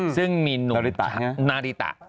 ซึ่งมีหนุ่มนาริตา